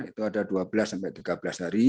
itu ada dua belas sampai tiga belas hari